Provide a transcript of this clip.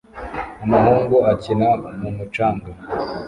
Umuhungu akina mu mucanga